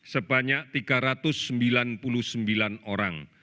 sebanyak tiga ratus sembilan belas orang